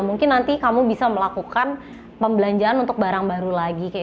mungkin nanti kamu bisa melakukan pembelanjaan untuk barang baru lagi